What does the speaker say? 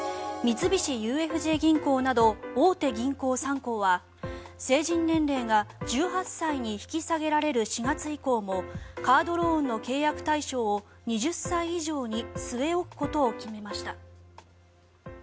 三菱ＵＦＪ銀行など大手銀行３行は成人年齢が１８歳に引き下げられる４月以降もカードローンの契約対象を２０歳以上に据え置くことを決めました。